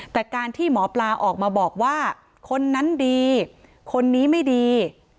แต่การที่หมอปลาออกมาบอกว่าคนนั้นดีคนนี้ไม่ดี